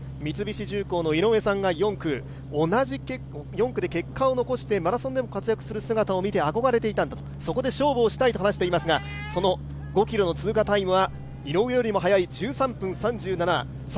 三菱重工の井上さんが同じ４区で結果を残してマラソンでも活躍する姿を見て憧れていたと、そこで勝負をしたいと話していますがその５ｋｍの通過タイムは井上よりも速い１３分３７秒。